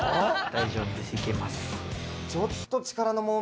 大丈夫です。